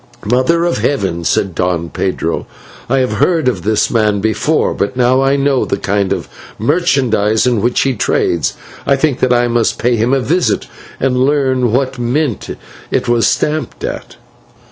"'Mother of Heaven!' said Don Pedro, 'I have heard of this man before; but now I know the kind of merchandise in which he trades, I think that I must pay him a visit and learn what mint it was stamped at.'